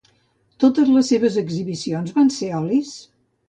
Totes les seves exhibicions van ser d'olis?